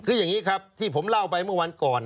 คืออย่างนี้ครับที่ผมเล่าไปเมื่อวันก่อน